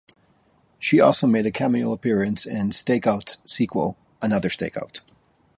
She also made a cameo appearance in "Stakeout"'s sequel "Another Stakeout".